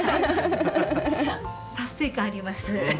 達成感あります。